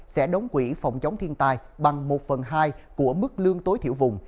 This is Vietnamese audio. sẽ đống quỹ phòng chống thiên tai bằng một phần hai của mức lương tối thiểu vùng